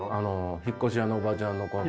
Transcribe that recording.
引っ越し屋のおばちゃんのコント。